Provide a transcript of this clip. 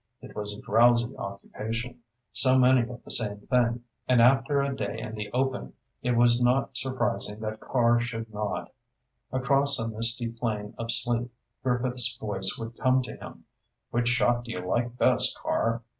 It was a drowsy occupation—so many of the same thing—and after a day in the open, it was not surprising that Carr should nod. Across a misty plain of sleep, Griffith's voice would come to him: "Which shot do you like best, Carr?"